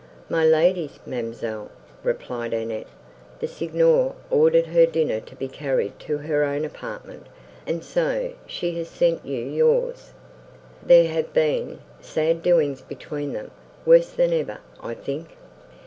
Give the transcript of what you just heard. "My lady's, ma'amselle," replied Annette: "the Signor ordered her dinner to be carried to her own apartment, and so she has sent you yours. There have been sad doings between them, worse than ever, I think."